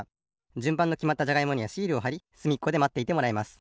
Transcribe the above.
じゅんばんがきまったじゃがいもにはシールをはりすみっこでまっていてもらいます。